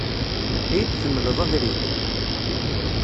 Ad iyi-d-temleḍ abrid?